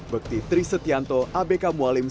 bekti tri setianto abk mualim satu